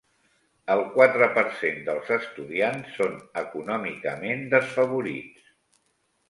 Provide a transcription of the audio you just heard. El quatre per cent dels estudiants són econòmicament desfavorits.